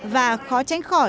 và khó tránh khỏi